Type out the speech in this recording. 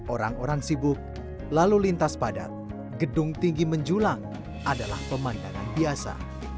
orang orang sibuk lalu lintas padat gedung tinggi menjulang adalah pemandangan biasa